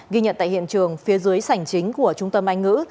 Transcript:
ghi nhận tại hiện trường phía dưới sảnh chính của trung tâm anh ngữ